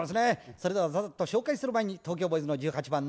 それではザザッと紹介する前に東京ボーイズの１８番「なぞかけ小唄」！